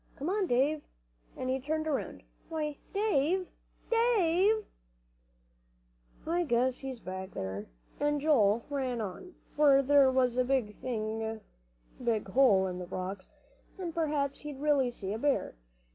"Come on, Dave," and he turned around. "Why Dave Dave!" "I guess he's just back there," and Joel ran on, for there was the big hole in the rocks, and perhaps he'd really see a bear!